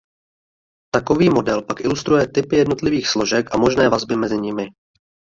Takový model pak ilustruje typy jednotlivých složek a možné vazby mezi nimi.